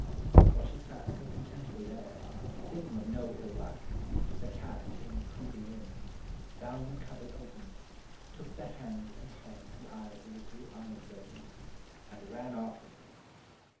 While she sat so contentedly there, thinking of no ill luck, the cat came creeping in, found the cupboard open, took the hand and heart and eyes of the three army surgeons, and ran off with them.